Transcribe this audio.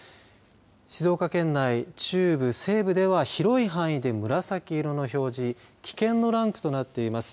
静岡県内中部西部では広い範囲で紫色の表示危険のランクとなっています。